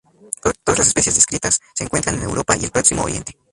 Todas las especies descritas se encuentran en Europa y el Próximo Oriente.